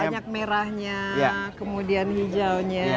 banyak merahnya kemudian hijaunya